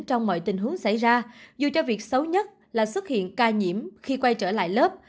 trong mọi tình huống xảy ra dù cho việc xấu nhất là xuất hiện ca nhiễm khi quay trở lại lớp